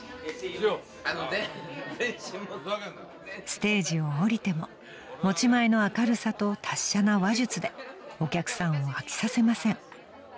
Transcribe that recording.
［ステージをおりても持ち前の明るさと達者な話術でお客さんを飽きさせません］